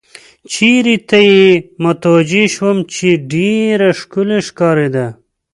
چېرې ته یې متوجه شوم، چې ډېره ښکلې ښکارېده.